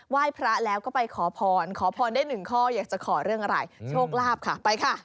ยพระแล้วก็ไปขอพรขอพรได้หนึ่งข้ออยากจะขอเรื่องอะไรโชคลาภค่ะไปค่ะ